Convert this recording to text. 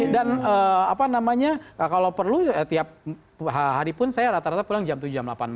dan kalau perlu tiap hari pun saya rata rata pulang jam tujuh delapan malam